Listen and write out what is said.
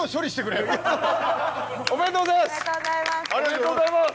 おめでとうございます。